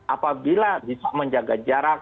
apabila bisa menjaga jarak